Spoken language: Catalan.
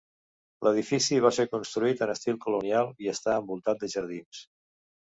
L'edifici va ser construït en estil colonial i està envoltat de jardins.